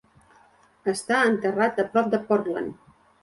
Està enterrat a prop de Portland.